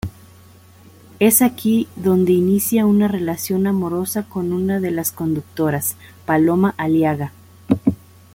Es aquí donde inicia una relación amorosa con una de las conductoras, Paloma Aliaga.